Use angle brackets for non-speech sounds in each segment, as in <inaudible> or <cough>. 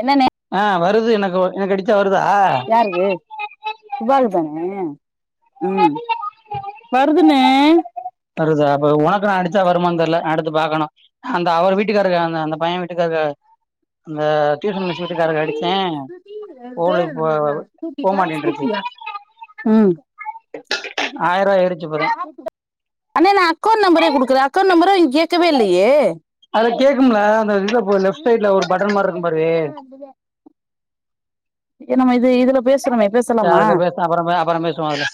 என்ன ஆஹ் வருது எனக்கு எனக்கு கடிச்சா ஆ சுபாக்குதான உம் வருதுன வருதா அப்ப உனக்கு நான அடிச்சா வருமா தெர்ல அடுத்து பாக்கணு அந்த அவர் வீட்டுக்காரு அந்த அந்த பையன் வீ க்கக <inaudible> போல போ போமாட்டேன்ருக்கு உம் ஆயிரூவா ஏறிச்சு இப்பதா அண்ண நா அக்கௌண்ட் நம்பரே கொடுக்கற அக்கௌண்ட் நம்பரே கேகவே இல்லயே அதுல கேக்கும் ல அந்த இதுல போ லெப்ட் சைடல ஒரு பட்டன் மாரு இருக்கு பாரு <inaudible> என்னம இது இதுல பேசுறமே அ அதுல பேசுனா அப்பறம் அப்பறம் பேசுவோம் அதுல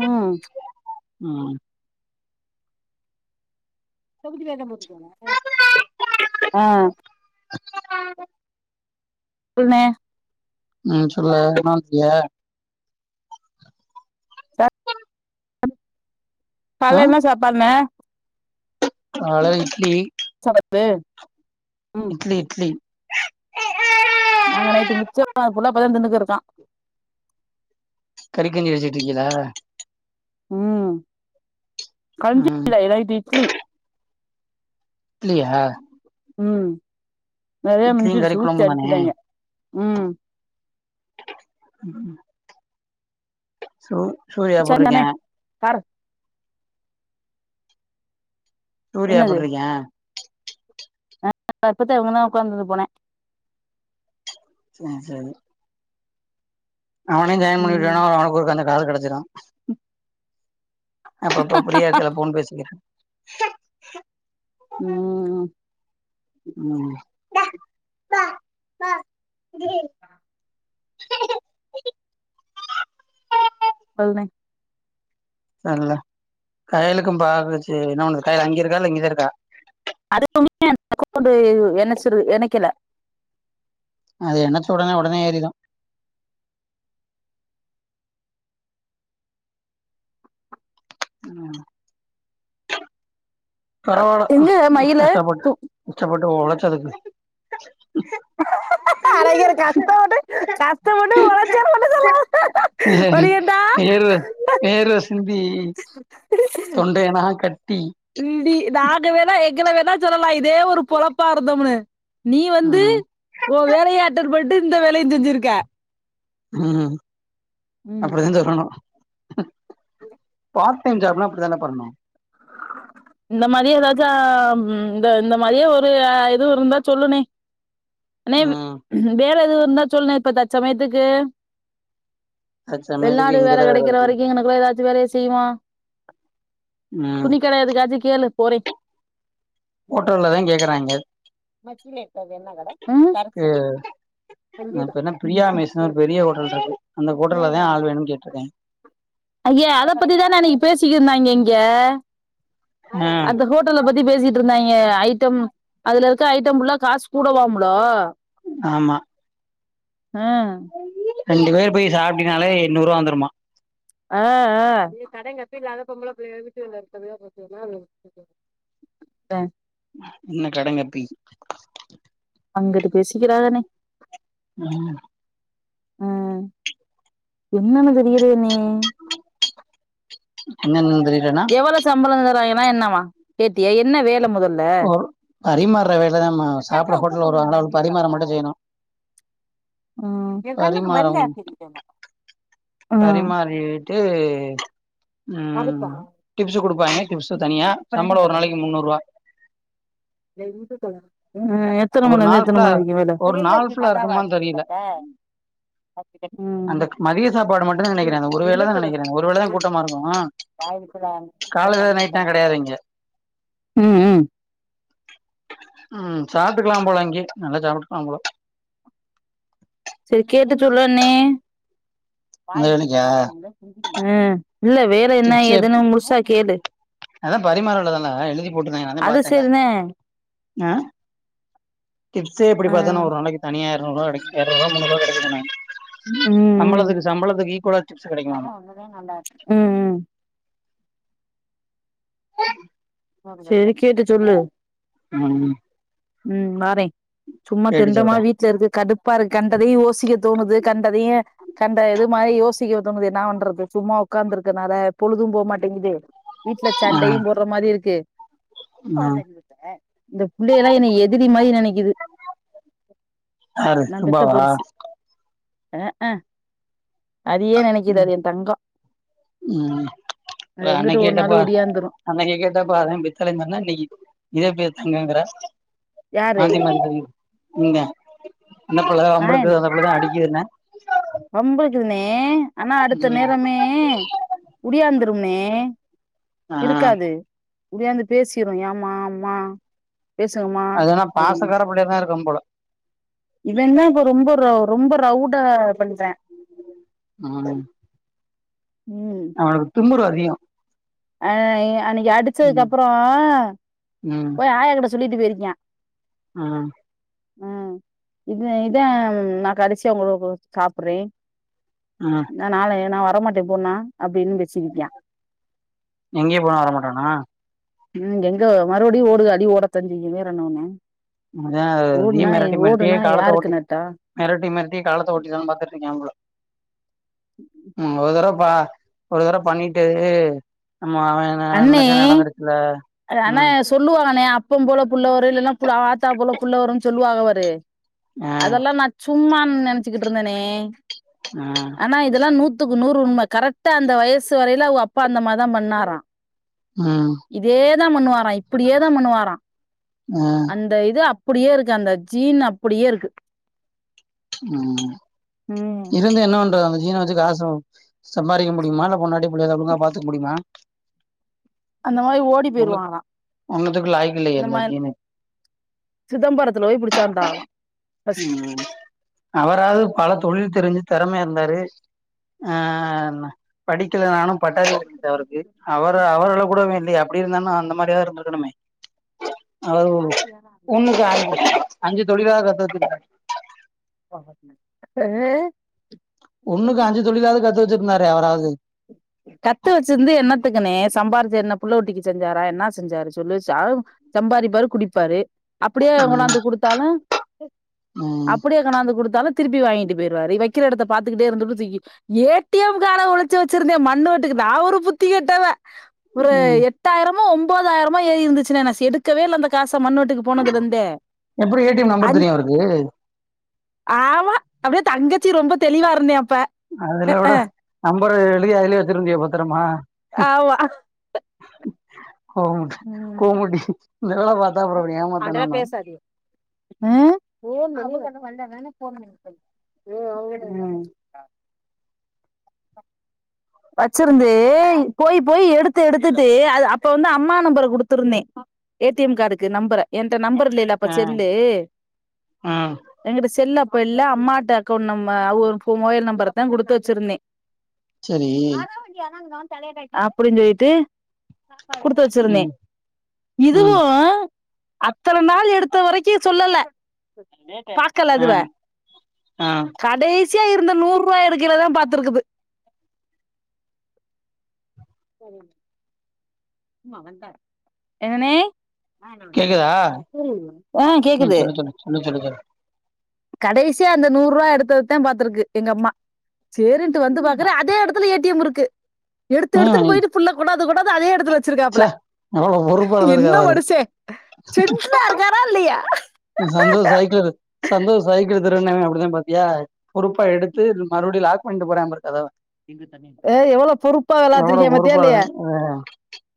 உஹம் ம் ஆஹ அ <unintelligible> சொல்லுண்ண உம் சொல்ல என் பண்இய ஆ காலைல என்ன சாப்பாடுனே காலைல இட்லி சடப்பு இட்லி இட்லி நாங்க நைட்டு மிச்சம் மானத புள்ளா இப்ப தா திண்ணுகிட்ருக்கோம் கறிக்கஞ்சி <unintelligible> இருக்கீலா உம் கஞ்சி ம் இல்ல நைட் இட்லி இட்லியா உம் நிறைய இட்லியு மிஞ்சுருச்சு கறி ஊத்தி கொழம்பு தானே அடிச்சிட்டாங்க உம் உம் சோ சூர்யா சரிண்ணே எபுடிருக்கன் கார் சூர்யா என்னது எப்டுறக்கன் தப்பத்த இங்கதான் உட்காந்து போனேன் சோரி சோரி அவனையும் ஜாயின் பண்ணிட்டு ம் அவனைக்கு ஒருக்கா ஆல் கிடச்சிடும் அப்போ பிரியா இருக்கல்ல போன் பேசிக்கிறேன் ஹ <unintelligible> ம் ம் பு <unintelligible> <inaudible> <unintelligible> சரியல கையலுக்கும் பாக்குச்சு என்ன ஒண்ணு கயல அங்கே இருக்கா இல்ல இங்கதாஇருக்கா இருக்கா அதுக்குமே அந்த அக்கவுண்ட்டு எனச்சிறு எணைக்கல அது என்னச்சு உடனே உடனே ஏறிறும் உம் பறவால எங்க மயிலு கஷ்டப்பட்டு து இஷ்டப்பட்டு ஓளைச்சதுக்கு <inaudible> அஞர் கஷ்ட மட்டு கஷ்ட மட்டு உரச்சிய மட்டும் சொல்லாம் பண்டா வேர்வ <unintelligible> <unintelligible> <unintelligible> <unintelligible> ஏற்கனவே தான் சொல்லலாம் இதே ஒரு பொழப்பா இருந்தோம்னு நீ வந்து ம் ஒன் வேலைய அட்டன் பட்டு எந்த வேலையும் செஞ்சிருக்கே உம் அப்படி தான் சொல்லணும் அஹா இல்ல பார் டைம் ஜாப்னா அப்டிதானே பண்ணோணும் இந்த மாதிரியே ஏதாச்சா இந்த இந்த மாதிரியே ஒரு எதுவும் இருந்தா சொல்லுனேன் அண்ணே ம் வேறது தான் சொல்லுணேன் இப்ப தச்சமயத்துக்கு அது சமயத்துக்கு வெளிநாடு வேலை இங்கதா வேல கெடைக்கிற இருக்கு வரைக்கும் இங்கனக்குள்ள ஏதாச்சும் வேல செய்வோம் ம் துணிகடை எதுக்காச்சும் கேலு போரேன் ஓட்டோலதான் கேக்குறாங்க மச்சிடே அது என்ன கட சங்கீதா இப்ப என்ன பிரியா மெஸ்னு ஒரு பெரிய ஹோட்டல் இருக்கு அந்த ஹோட்டல்ல தா ஆள் வேணும்னு கேட்டிருக்கே அய்யா அத பத்தி தானே பேசிட்டு இருந்தங்கே ங்க எங்க ஆ அந்த ஹோட்டல பத்தி பேசிட்டு இருந்தா ஐய்ட்டம் அதுல இருக்கு ஐட்டம்ல்லாம் காசு கூடவாம்லோ ஆமா ம் ரெண்டு பேர் போய் சாப்பிட்டனாலே எண்ணூறு ரூவா வந்துருமா ஆஹ் கடைங்கப்பி இல்லாத பொம்பளை பிள்ள வீட்டுா என்ன கடைங்கப்பி அங்கட்டு பேசிக்கிறாகனே உம் ஆஹ் என்னன்னது வக்கிராது நே என்னனு எவ்வளவு சம்பளம் தராய என்னவாகேட்டியா என்ன வேலை முதல ஒரு பரிமாறுற வேலைதான் மா சாப்பிட ஹோட்டல் வருவாங்கள பரிமாற மட்டும் செய்யணும் ம் பரிமாறவும் ம் பரிமாறிட்டு உம் டிப்ஸ் கொடுப்பாங்க டிப்ஸ் தனியா சம்பளம் ஒரு நாளைக்கு முன்னூறுவா ஏ இருந்து தொல உம் எத்தன ஒரு மணியிலருந்து நாள் எத்தன ஃபுல்லா மணி வரைக்கும் ஒரு நாள் வேல ஃபுல்லா இருக்குமான்னு தெரியல அந்த மதிய சாப்பாடு மட்டும்தா நெனைக்கிறே அந்த ஒரு வேள தா நெனைக்கிறே ஒரு வேள தா கூட்டமா இருக்கு <unintelligible> நல்லாவா இருக்குக்க காலைல நைட்லா கெடையாது இங்க ம்ம் <inaudible> ம் சாப்பிட்டுக்கலாம் போல அங்கய நல்லா சாப்பிட்டுக்கலாம் போல செரி கேட்டு சொல்றன்னே வாய அந்த வேலைக்கா <unintelligible> மாட்டேங்குது உம் இல்ல வேற என்ன ஏதுன்னு முழுசா கேடழு அதான் பரிமாறம்லதான எழுதி போட்டுதேன் நானே அது பாத்தேன்ல சரிதான் ஆஹ டிப்ஸே ஆ எப்படித்தன்னா ஒரு நாளைக்கு தனியா எரநூறுபா கிடைக்கும் <unintelligible> உ உம் - உம் ஈக்குவலா டிப்ஸ் கெடைக்குமாமா அதாம் ஒண்ணுதே நா <unintelligible> உம் - உம் செரிக் கேட்டு சொல்லு ம் உம் மாறேன் சும்மா கேட்டு தண்டமா சொல்றே வீட்டு்ல இருந்து கடு கண்டதையும் யோசிக்க தோணுது கண்டதையும் கண்ட இது மாரி யோசிக்க தோணுது நா பண்றது சும்மா உட்காந்துருக்கனால பொழுதும் போமாட்டேங்குது வீட்டுல ஆ சண்டையும் போடுற மாரி இருக்கு செரி <unintelligible> ஆ இந்த பிள்ளைகலாம் என்ன எதிரி மாரி நினைக்குது யாரு நான் பெத்த சுப்பாவா பெருசு ஆஹ ஆ <unintelligible> அதே நினைக்குது அது என் தங்கம் ம் அது எங்கிட்ட ஒரு நாளு ஒடியாந்துரும் அப்போ அதெல்லாம் பித்தலன்னு சொன்னேன் இன்னிக்கு இதே பேய் தங்கங்கிற யாரு மாத்தி மாத்தி <unintelligible> நீ தான் அந்த பிள்ளேதான் வம்பளுக்குறது அந்தபிள்ளேதான் அடிக்குதுன்னே அம்பது இருனே ஆனா அடுத்த ம் நேரமே ஓடியாந்து மே <inaudible> ஆ இருக்காது ஓடியாந்து பேசிரோம் ஏமா அம்மா பேசுங்கம்மா அதுனா பாசக்காரப் புள்ளையா தான் இருப்பான் போல இவன்னா இ ரொம்ப ர ரொம்ப ரவுட் டா பண்ணதான் <unintelligible> உம் ம் அவனுக்கு துமுரு அதிகம் அ அன்னக்கி அடிச்சதுக்கு ம் அப்புறம் போய் ஆயகிட்ட சொல் ல்லிட்டு போயிருக்கியன் உம் உஹ் இத இதான் நான் கடைசியா அந்தளவுக்கு சாப்பிடுறேன் ம் நான் நாளைய நா வர மாட்டேன் போமா அப்படின்னு போய் சொல்லிருக்கியான் எங்கயே போன வரமாட்டானா உம் எங்க மறுபடியும் ஓடு அடி ஓட தம்பி வேற என்ன வேணும் அ மிரட்டி மிரட்டியே காலத்த யாருக்கு ஓட்டி நட்டோ மிரட்டி மிரட்டியே காலத்தை ஓட்டிடலானு பாத்துட்ருக்கீங்களோ உ வர வர அப்பா ஒரு தட பண்ணிட்டு ஆமா அவன் அவ அண்ணே என்னச்சரி நடந்திருக்குல ஆனா உஹம் சொல்லுவாங்கண்ணே அப்பம் போல புள்ளவரு இல்லைன்னா பு ஆத்தா போல புள்ளவரும்னு சொல்லுவாக பாரு அ அதெல்லாம் நான் சும்மா நினைச்சுட்டு இருந்தேனே அ ஆனா இதெல்லாம் நூத் க்கு நூறு உண்மை கரெக்டா அந்த வயசு வரையில அவ அப்பா அந்தம்மாரி தான் பண்ணாராம் ம் இதே தான் பண்ணுவாரான் இப்படியே தான் பண்ணுவாரான் அ அந்த இது அப் அப்படியே இருக்கு அந்த ஜீன் அப்படியே இருக்கு உம் ம் இருந்து என்ன பண்றது அந்த ஜுன வச்சு காசு சம்பாரிக்க முடியுமா இல்ல பொண்டாட்டி பிள்ளையத ஒழுங்கா பாத்துக்க முடியுமா அந்த மாரி ஓடி ஒன்னு போயிருவாங்கலாம் ஒன்னுத்துக்கு லாய்க்கு இல்லையே இந்த அந்த மாரி ஜீனு சிதம்பரத்துல போய் பிடிச்சாந்தகலாம் உம் அவராவது பல தொழில் தெரிஞ்சு திறமயா இருந்தாரு படிக்கலானும் பட்டாரி இருக்கு அவரு அவர் அளவுல கூடவே இல்லயே அப்படி இருந்த நா அந்த மாதிரி டோ இருந்திருக்கணுமே அ ஒண்ணுக்கு அஞ்ச அஞ்சு தொழிலவது கத்து வச்ச <inaudible> அஹ் ஒண்ணுக்கு அஞ்சு தொழிலாவது கத்து வச்சிருந்தாரே அவராவது கத்து வச்சிருந்து என்னத்துக்குனே சம்பாரித்து என்ன புள்ள குட்டிக்கு செஞ்சாரா என்ன செஞ்சாரு சொல்லுச்சா சம்பாரி ப்பாாரு குடிப்பாரு அப்படியே உங்கடந்து கொடுத்தாலும் <inaudible> உம் திருப்பி வாங்கிட்டு போயிருவாரு வைக்கிற எடத்த பாத்துக்கிட்டே இருந்துட்டு தூக்கி ஏ டி எம் கார்ட் ஹ ஒளிச்சி வச்சிருந்தேன் <unintelligible> நா ஒரு புத்தி கெட்டவ ப்ரே ம் எட்டாயிரம் மோ ஒன்பதாயிரமோ ஏறி இருந்துச்சினே நாஸ் எடுக்கவே இல்ல அந்த காஸ் எப்படி ஏ டி எம் நம்பர் அந் தெரியும் அவருக்கு ஆமா அப்படியே தங்கச்சி ரொம்ப தெளிவா இருந்தே அப்ப அதுலஉட நம் பர எழுதி அதிலயே வச்சிருந்தியா பத்திரமா ஆமா கோமுட கோமுட்டி <unintelligible> ஏமாத்தாம அப்புறம் என்ன பண்ணுவாய்ங்க வந்த வோனே போன <inaudible> வச்சிருந்து போய் போய் எடுத்து எடுத்துட்டு அ அப்ப வந்து அம்மா நம்பர குடுத்துருந்தேன் ஏ டி எம் கார்டுக்கு நம்பர என் ட்ட நம்பர் இல்லையல்ல அப்ப ஆ செல்லு ஆ எங்கிட்ட செல்லப் இப்ப இல்ல அம்மாட்டு அக்கௌண்ட் நம்ம மொபைல் நம்பர் தான் குடுத்து வச்சிருந்தேன் <inaudible> <unintelligible> சரி அப்டின்னு சொல்லிட்டு குடுத்து வச்சிருந்தேன் ம் ம் இதுவும் அத்தனை நாள் எடுத்த வரைக்கும் சொல்லல பாக்கல ஆ அதுவ ஆ கடைசி சியா இருந்த நூறு ரூபாய் எடுக்கைல தான் பாத்துருக்குது சரி ஏனே கேக்குதா <unintelligible> ஆஹ் ம் கேக்குது சொல்லு சொல்லு சொல்லு சொல்லு சொல்லு கடைசியா அந்த நூறு ரூபாய் எடுத்ததுதான் பாத்துருக்கு எங்க அம்மா சேரின்ட்டு வந்து பாக்குறன் அதே எடத்துல ஏடிஎம் இருக்கு <unintelligible> எடுத்து ம் எடுத்துன்னு போயிட்டு ஃபுல்லா கொண்டாந்து கொண்டாந் து அதே எடுத்துல வச் ச்சே சிருக்காப்புல எவ்ளோ பொறுப்பா என்ன இருந்திருக்காரு அவரு. மனுஷேன் சென்டிலா இருக்காரா இல்லையா சந்தோஷ சாயக்க சந்தோஷ சாயக்க வீரன்ன அப்படித்தான் பாத்தியா பொறுப்பா எடுத்து மறுபுடியும் லாக் பண்ணிட்டு போறேன் பாரு கதவ ஹ எவளோ பொறுப்பா எவ்ளோ விளாத்திருக்கான் பாத்திய பொறுப்பா இல்லையா இருந்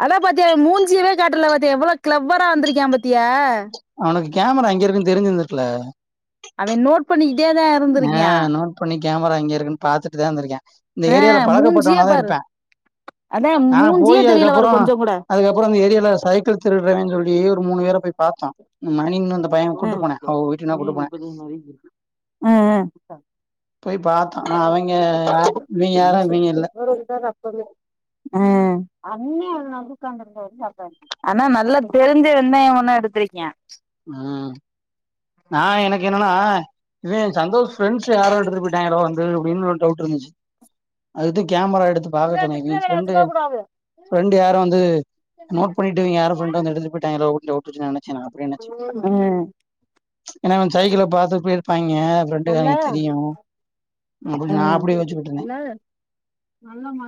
ஆனா பாத்தியா மூஞ்சியவே காட்டல பாத்திய எவ்ளோ க்ளவரா வந்திருக்கா பாத் த்தியா அவனுக்கு கேமரா அங்க இருக்குன்னு தெரிஞ்சிருந்துட்டுல அவே நோட்ண்ணி கிட்டே தான் இருந்தருங்க நோட் பண்ணி கேமரா இங்க இருக்குன்னு பாத்துட்டுதான் இருந்தக்கேன் இந்த ஆ ஏரியாலில மூஞ்சியே பழக்கப்பட்டவன தான் பாரு இருப்பேன் அதா ஆான் போய் மூஞ்சியே தெரியல பாரு அதுக்கப்புறம் கொஞ்சோ கூட அதுக்கப்புறம் இந்த ஏரியால சைக்கிள் திருடுறன்னு சொல்லி மூணு பேர போய் பார்த்தோம் இன்னொன்னு மப்ப நிறைய இருக்கு ஹம் போய் பாத்தோம். ஆனா, உஹம் அவெங்க யார் இவெங்க யாரும் இவெங்க இல்ல. கொஞ்சமா நடப்ப ஆஹ் அண்ணேண் வந்து உட்கார்ந்து இருந்தாரு ஆனா நல்லா தெரிஞ்சு வந்த உன்னும் எடுடுத்திருக்கன் உஹம் நான் எனக்கு என்னன்னா இன் சந்தோஷ் பிரஃப்ரெண்ட்ஸ் யாரோ எடுத்துட்டு போயிட்டாங்கலோ வந்து அது அப்படின்னு ஒரு டவுட் இருந்துச்சு அதுக்கு கேமரா ஏத்து பாக்க சொன்னாங்க ஃப்ரெண்டு யாரும் வந்து நோட்பன்னிட்டு யாரும் வந்து வீட்டுல விட்டுட்டு எடுத்துட்டு போயிட்டங்களோ ஆஹ் என் சைக்களை பா்த்தட்டு போயிருப்பாங்க நல்லஹ் அப்டி நா அப்டி யோசிச்சுக்கிட்டு இருந்தே நல்ல நல்ல மா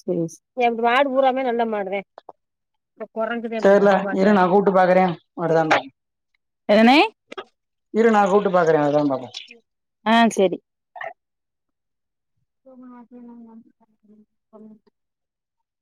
சரி எம் மாடு புறமே நல்ல மாடுதான் சரியல இரு நான் கூப்ட்டு பாக்குறேன் வருதானு சேரி என்னனே இரு நான் கூட்டு பாக்கேன் வருதானு பாப்போம் ஆஹ் சரி சோ மட்டினாய